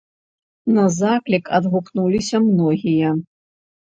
На заклік адгукнуліся многія.